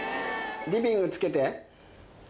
リビングつけて。